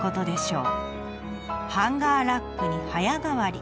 ハンガーラックに早変わり。